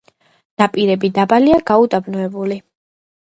ნაპირები დაბალია, გაუდაბნოებული.